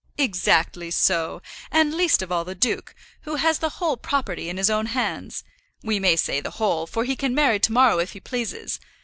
"Exactly so; and least of all the duke, who has the whole property in his own hands. We may say the whole, for he can marry to morrow if he pleases.